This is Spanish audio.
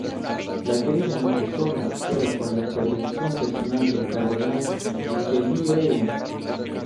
La querella no cesó ni siquiera con la intervención personal del Cardenal Richelieu.